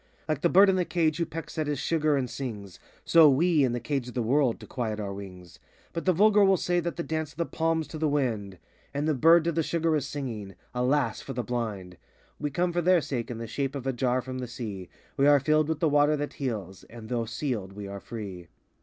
Like the bird in the cage who pecks at his sugar and sings, So we, in the Cage of the world, to quiet our wings. But the vulgar will say that the dance of the palm 's to the wind, 83 And the bird to the sugar is singing—Alas! for the blind! We come for their sake in the shape of a jar from the Sea; We are filled with the water that heals; and though sealed, we are free.